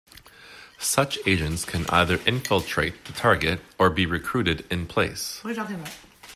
Such agents can either infiltrate the target, or be recruited "in place".